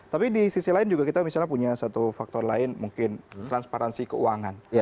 tapi di sisi lain juga kita misalnya punya satu faktor lain mungkin transparansi keuangan